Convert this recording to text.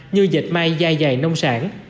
như dịch mai dai dày nông sản